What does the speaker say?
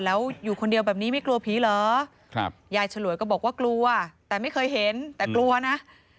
แล้วอยู่คนเดียวแบบนี้ไม่กลัวผีเหรอยายฉลวยก็บอกว่ากลัวแต่ไม่เคยเห็นแต่กลัวนะ